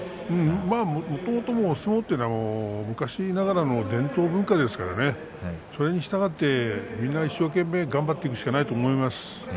もともと相撲というのは昔ながらの伝統文化ですからそれにしたがってみんな一生懸命頑張っていくしかないと思います。